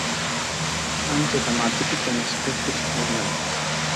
Άνοιξε τα μάτια του και ανασηκώθηκε ξαφνισμένος.